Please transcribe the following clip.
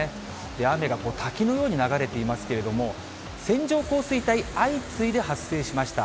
雨が滝のように流れていますけれども、線状降水帯、相次いで発生しました。